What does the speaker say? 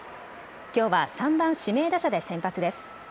きょうは３番・指名打者で先発です。